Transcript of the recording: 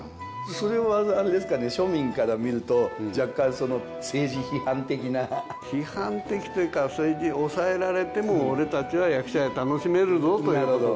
それをあれですかね庶民から見ると若干政治批判的な？批判的というかそれで抑えられても俺たちは役者絵楽しめるぞということで。